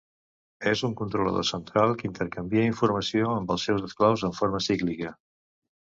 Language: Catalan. És un controlador central que intercanvia informació amb els seus esclaus en forma cíclica.